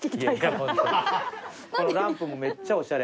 このランプもめっちゃおしゃれ。